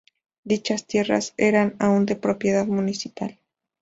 Dichas tierras eran aún de propiedad municipal.